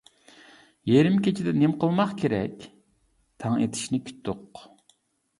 يېرىم كېچىدە نېمە قىلماق كېرەك؟ تاڭ ئېتىشىنى كۈتتۇق.